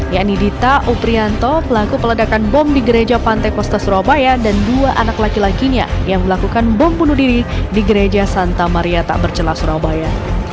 yakni dita uprianto pelaku peledakan bom di gereja pantai kosta surabaya dan dua anak laki lakinya yang melakukan bom bunuh diri di gereja santa maria takbercelah surabaya